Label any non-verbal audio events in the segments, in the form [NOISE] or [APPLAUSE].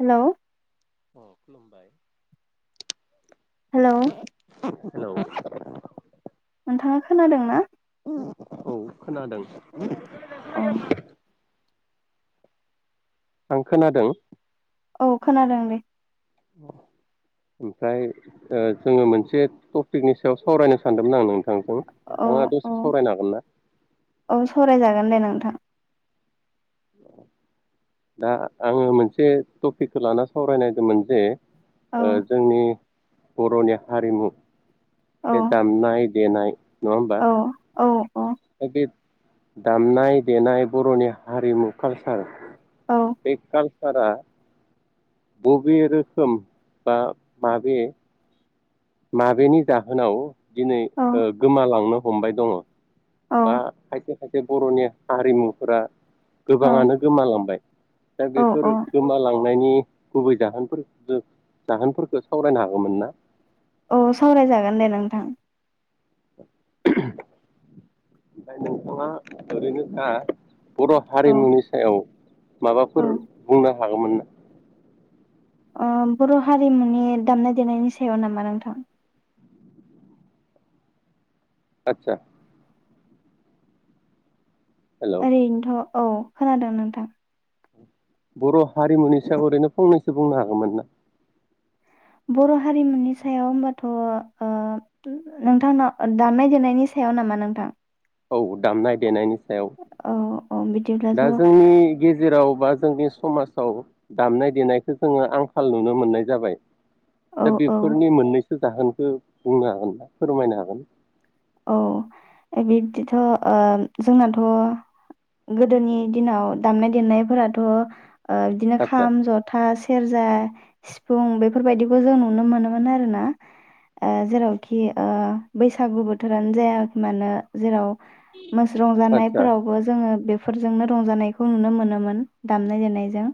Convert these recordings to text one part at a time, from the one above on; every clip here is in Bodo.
हेलौ। अ खुलुमबाय। हेलौ। हेलौ। नोंथाङा खोनादों ना? औ। खोनादों। औ आं खोनादों। औ खोनादों दे। उफ्राय ओ जोङो मोनसे टपिकनि सायाव सावरायनो सानदोंमोन आं नों थांजों औ नोंथाङा औ दसे सावरायनो हागोनना? औ सावरायजागोन दे नोंथां दा आङो मोनसे टपिकखो लाना सावरायनायदोंमोन जे औ ओ जोंनि बर'नि हारिमु। औ बे दामनाय देनाय नङा होमबा औ औ औ दा बे दामनाय देनाय बर'नि हारिमु कालसार औ बे काल सारा बबे रोखोम बा माबे माबेनि जाहोनाव दिनै औ ओ गोमालांनो हमबाय दङ औ आ [UNINTELLIGIBLE] खायसे बर'नि हारिमुफोरा औ गोबाङानो गोमालांबाय दा बेफोर औ गोमालांनायनि गुबै जाहोनफोर सो जाहोनफोरखो सावरायनो हागोमोन ना? औ सावरायजागोन दे नोंथां ओमफ्राय नोंथाङा ओरैनोखा बर' औ हारिमुनि सायाव औ माबाफोर बुंना हागोमोनना? ओ बर' हारिमुनि दामनाय देनायनि सायाव नामा नोंथां? आतसा हेल' ओरैथ' औ खोनादों नोंथां बर' हारिमुनि सायाव ओरैनो फंनैसो बुंनो हागोमोन ना? बर' हारिमुनि सायाव ओमबाथ' ओ नोंथां दामनाय देनायनि सायाव नामा नोंथां? औ दामनाय देनायनि सायाव औ औ बिदिब्लाथ' दा जोंनि गेजेराव बा। जोंनि समाजाव दामनाय देनायखौ जोङो आंखाल नुनो मोननाय जाबाय औ दा औ बेफोरनि मोननै सो जाहोनखौ बुंनो हागोन ना फोरमायनो हागोन। औ बिबदिथ' जोंनाथ' गोदोनि दिनाव दामनाय देनायफोराथ' बिदिनो आदसा खाम जथा। सेरजा सिफुं बेफोरबायदिखौ जों नुनो मोनोमोन आरोना जेरावखि बैसागुबो बोथोरानो जा मानो जेराव मोस्रां आदसा जानायफोरावबो जोङो बे फोरजोंनो रंजानायखौ नुनो मोनोमोन दामनाय देनायजों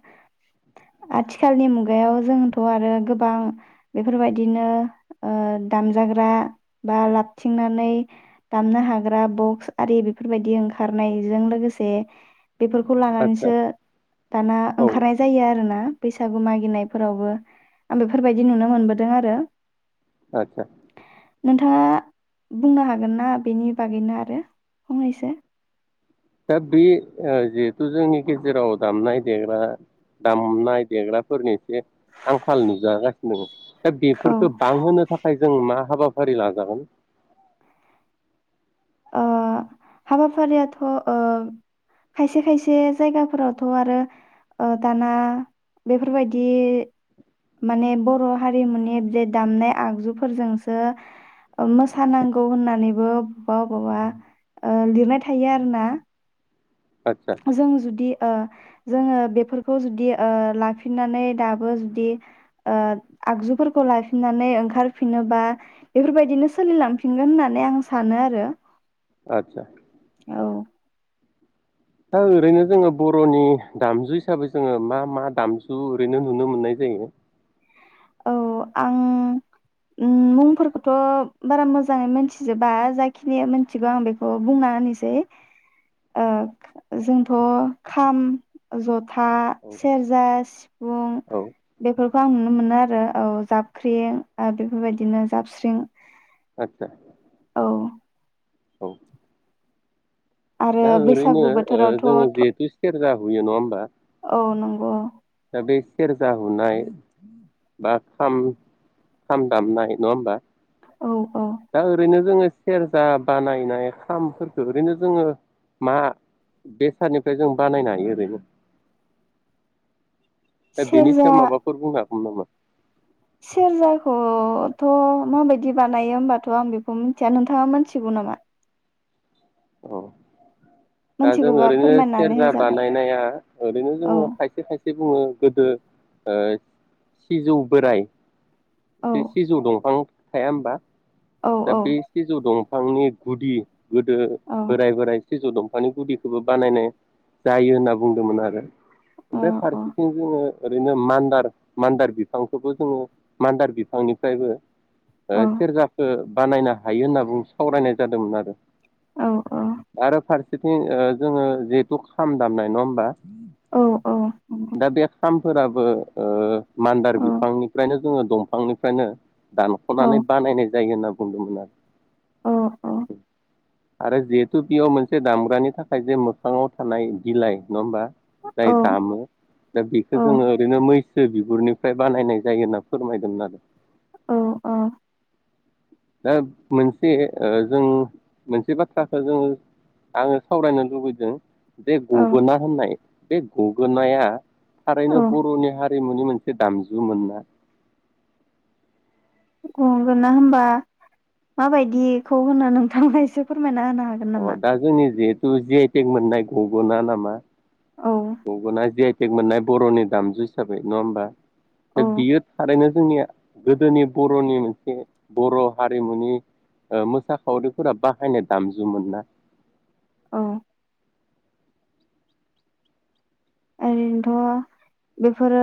आथिालनि मुगायाव जोंथ' आरो गोबां बेफोरबायदिनो दामजाग्रा बावाथ नानै दामनो हाग्रा बक्स आरि बेफोरबायदि ओंखारनायजों लोगोसे बेफोरखौ आदसा लानानैसो दाना औ ओंखारनाय जायो आरोना बैसागु मागिनायफोरावबो आं बेफोरबायदि नुनो मोनबोदों आरो। आथसा। नोंथाङा। बुंनो हागोन ना बेनि बागैनो आरो फंनैसो। दा बे जिहेथु जोंनि गेजेराव दामनाय देग्राफोरनि आंखाल नुजागासिनो दङ। दा औ बेफोरखौ बांहोनो थाखाय। जों मा हाबाफारि लाजागोन हाबाफारियाथ' खायसे खायसे जायगाफोरावथ' आरो दाना बेफोरबायदि माने बर' हारिमुनि बे दामनाय आगजुफोरजोंसो मोसानांगौ होननानैबो। अबावबा अबावबा लिरनाय थायो आरो ना। आदसा जों जुदि ओ जोङो बेफोरखौ जुदि ओ लाफिननानै दाबो जुदि ओ आगजुफोरखौ लाफिननानै ओंखारफिनोबा बेफोरबायदिनो सोलिलांफिनगोन होननानै आं सानो। आतसा। दा ओरैनो जोङो बर'नि दामजु हिसाबै जोङो मा मा दामजु ओरैनो नुनो मोननाय जायो। औ आं मुंफोरखौथ' बारा मोजाङै मोनथिजोबा जाखिनि मिथिगौ आं बेखौ बुंना होनोसै जोंथ' खाम जथा औ सेरजा सिफुं औ बेफोरखौ आं नुनो मोनो आरो। औ जाबख्रिं बेफोरबायदिनो जाबस्रिं आतसा। औ। आरो दा ओरैनो बैसागु बोथोरावथ' जों थ' जिहेथु सेरजा। होयो नङा होमबा। औ नंगौ। दा बे सेरजा हुनाय बा खाम दामनाय नङा होमबा। औ औ दा ओरैनो जोङो सेरजा बानायनाय खामफोरखौ ओरैनो जोङो मा बेसादनिफ्राय जों बानायनो हायो ओरैनो दा बेनि सेरजा सायाव माबाफोर बुंङो [UNINTELLIGIBLE] सेरजाखौथ' माबायदि बानायो होमबाथ' आं बेखौ मिथिया नोंथाङा मिथिगौ नामा औ। दा जों मोनथिगौबा ओरैनो फोरमायनानै सेरजा होजागौ बानायनाया ओरैनो औ जोङो खायसे खायसे बुङो गोदो ओय सिजौ बोराय औ सि-सिजौ दंफां थाया होमबा। औ दा औ बे सिजौ दं फांनि गुदि गोदो औ बोराइ बोराय सिजौ दंफानि गुदिखौबो बानायनाय जायो होनना बुंदोंमोन आरो। औ ओमफाय फारसेथिं जोङो ओरैनो मान्दार बिफांखौबो जोङो मान्दार बिफांनिफ्रायबो ओ औ सेरजा बानायनो हायो होनना बुं सावरायनाय जादोंमोन आरो। औ दा आरो‌ फारसे थिं जोङो जिहेथु खाम दामनाय नङा होमबा। औ दाबे खाम फोराबो ओ मान्दार औ बिफांनिफ्रायनो जोङो दंफांनिफ्रायनो औ दानख'नानै बानायनाय जायो होनना बुंदोंमोन आरो। औ औ आरो जिहेतु बेयाव मोनसे दामग्रानि थाखाय जे मोखाङाव थानाय बिलाइ नङा होमबा। औ जाय दामो दा बेखौ जोङो औ ओरैनो मै सो बिगुरनिफ्राय बानायनाय जायो होनना फोरमायदोंमोन आरो। औ औ। दा मोनसे जों मोनसे बाथ्राखौ जोङो आङो सावरायनो लुबैदों। बे औ गगोना होननाय बे गगोनाया थारैनो औ बर'नि हारि हारिमुनि मोनसे दामजु मोन ना? गगोना होबा माबायदिखौ होनना नोंथांमोना एसे फोरमायना होनां अ दा जोंनि जे थु जि आइ टेक मोननाय गग'ना नामा। औ गगोना जि आइ थेग मोननाय बर'नि दामजु हिसाबै नङा होमबा। औ बे बियो थारैनो जोंनि गोदोनि बर'नि मोनसे बर' हारिमुनि मोसाखावरिफोरा बाहायनाय दामजुमोन ना औ ओरैनोथ' बेफोरो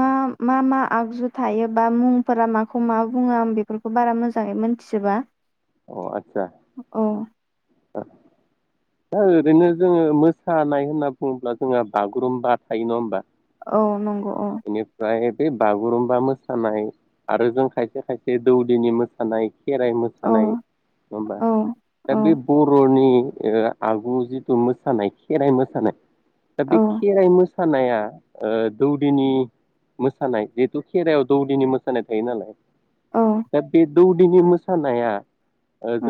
मा मा मा आगजु थायोबा मुंफोरा माखौ मा बुङो आं बेफोरखौ बारा मोजाङै मोनथिजोबा अ आटसा औ दा ओरैनो जोङो मोसानाय होनना बुङोब्ला जोंहा बागुरुम्बा थायो ना होनोमबा औ नंगौ औ बिनिफ्राय बे बागुरुम्बा मोसानाय आरो जों खायसे खायसे दौदिनि मोसानाय खेराइ औ मोसानाय नङा होबा औ दा औ बे बर'नि ओ आगु जिथु मोसानाय खेराइ मोसानाय दा औ बे खेराय मोसानाय सानाया दौ दिनि मोसानाय जिहेथु खेरायाव दौदिनि मोसानाय थायो नालाय औ दा बे दौदिनि मोसानाया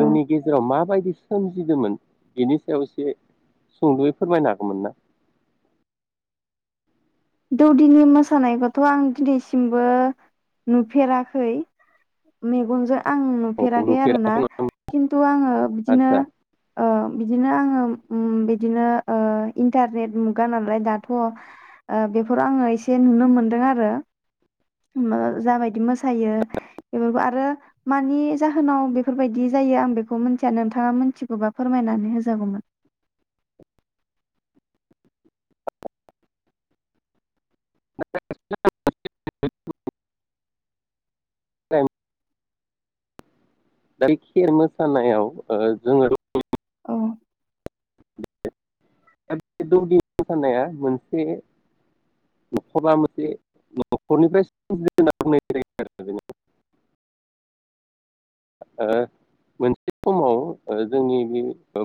औ गेजेराव माबायदि सोमजिदोंमोन बिनि सायाव एसे सुंद'यै फोरमायनो हागौमोन ना दौदिनि मोसानायखौथ' आं दिनैसिमबो नुफेराखै मेगन जो आं नुफेराखै आरोना खिन्थु आङो बिदिनो आदसा ओ बिदिनो आङो बिदिनो ओ इन्टारनेट मुगा नालाय दाथ' बेफोराव आङो एसे नुनो मोनदों आरो ओ जाबायदि मोसायो बेफोरखौ आरो मानि जाहोनाव बेफोरबायदि जायो आं बेखौ मिथिया नोंथाङा मिथिगौबा फोरमायनानै होजागौमोन [UNINTELLIGIBLE] [UNINTELLIGIBLE] खेर मोसानायाव ओ जोङो [UNINTELLIGIBLE] उम [UNINTELLIGIBLE] दौदिनि मोसानाया मोनसे नखरबा मोनसे न'खरनिफ्राय [UNINTELLIGIBLE] ओ मोनसे समाव जोंनि बे